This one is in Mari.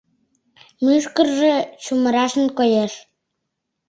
— Мӱшкыржӧ чумырашын коеш.